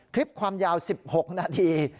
คลิปความยาว๑๖นาที